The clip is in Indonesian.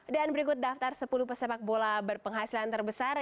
dan berikut daftar sepuluh pesepak bola berpenghasilan terbesar